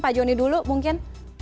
pak joni dulu mungkin